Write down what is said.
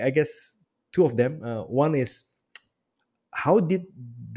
dua dari mereka pertanyaan pertama adalah